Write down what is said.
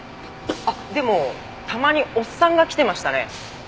あっでもたまにおっさんが来てましたね。